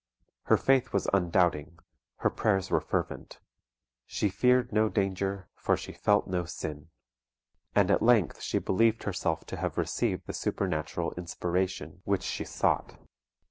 Her faith was undoubting; her prayers were fervent. "She feared no danger, for she felt no sin;" and at length she believed herself to have received the supernatural inspiration which, she sought.